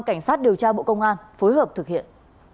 cơ quan cảnh sát điều tra bộ công an phối hợp thực hiện